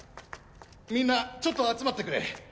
みんなちょっと集まってくれ。